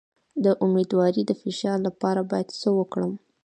د امیدوارۍ د فشار لپاره باید څه وکړم؟